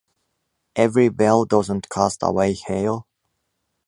Every bell doesn’t cast away hail.